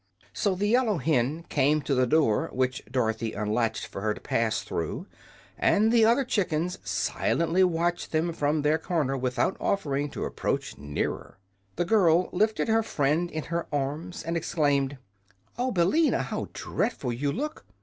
So the yellow hen came to the door, which Dorothy unlatched for her to pass through, and the other chickens silently watched them from their corner without offering to approach nearer. The girl lifted her friend in her arms and exclaimed: "Oh, Billina! how dreadful you look.